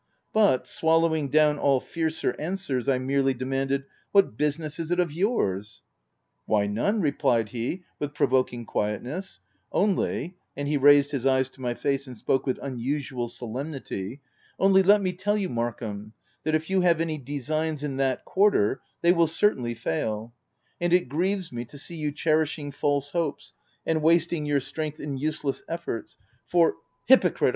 But, swallowing down all fiercer answers, I merely demanded, — 176 THE TENANT " What business is it of yours }" "Why, none/' replied he, with provoking quietness ;" only/' and here he raised his eyes to my face, and spoke with unusual solemnity, " only let me tell you, Markham, that if you have any designs in that quarter they will cer tainly fail; and it grieves me to see you cherish ing false hopes, and wasting your strength in useless efforts, for —" Hypocrite